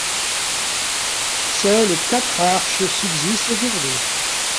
Seules quatre arches subsistent aujourd'hui.